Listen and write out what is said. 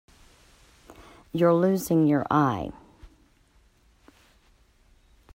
You're losing your eye.